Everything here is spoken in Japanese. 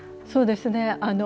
そうですね。